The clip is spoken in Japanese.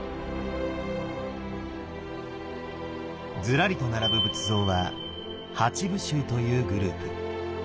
ずらりと並ぶ仏像は八部衆というグループ。